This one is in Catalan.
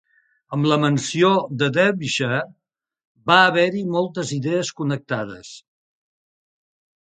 Amb la menció de Derbyshire va haver-hi moltes idees connectades.